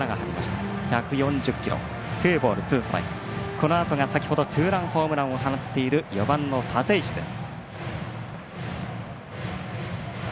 このあとが先ほどツーランホームランを放っている４番の立石です。